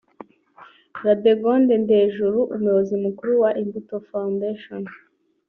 Radegonde Ndejuru; Umuyobozi Mukuru wa Imbuto Foundation